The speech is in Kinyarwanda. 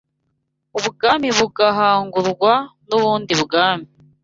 ubwami bugahangurwa n’ubundi bwami